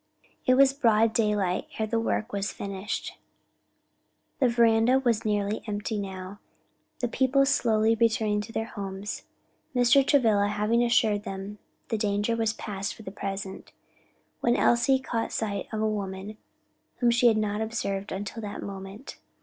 It was broad daylight ere the work was finished. The veranda was nearly empty now, the people slowly returning to their homes Mr. Travilla having assured them the danger was past for the present when Elsie caught sight of a woman whom she had not observed till that moment.